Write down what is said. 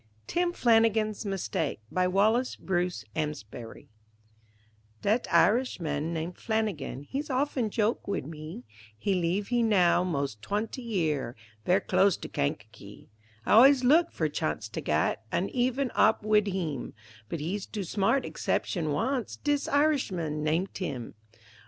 TIM FLANAGAN'S MISTAKE BY WALLACE BRUCE AMSBARY Dat Irishman named Flanagan, He's often joke wid me, He leeve here now mos' twanty year, Ver' close to Kankakee; I always look for chance to gat An' even op wid heem, But he's too smart, exception wance, Dis Irishman named Tim.